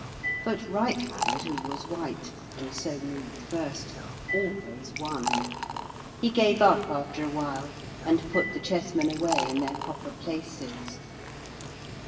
But right hand, who was white, and so moved first, always won. He gave up after awhile, and put the chessmen away in their proper places.